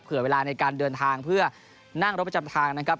เวลาในการเดินทางเพื่อนั่งรถประจำทางนะครับ